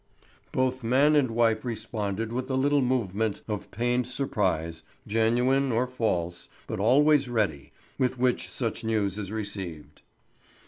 Both man and wife responded with the little movement of pained surprise, genuine or false, but always ready, with which such news is received.